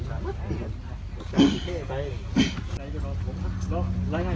สวัสดีครับทุกคน